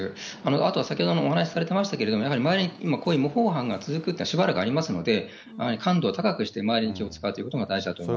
あとは先ほどお話しされてましたけど、やはり周りにこういう模倣犯が続くっていうのは、しばらくありますので、感度を高くして周りに気を遣うということが大事だと思います。